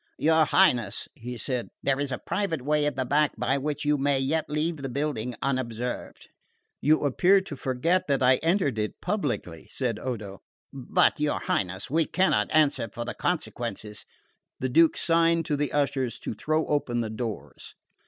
"Your Highness," he said, "there is a private way at the back by which you may yet leave the building unobserved." "You appear to forget that I entered it publicly," said Odo. "But, your Highness, we cannot answer for the consequences " The Duke signed to the ushers to throw open the doors.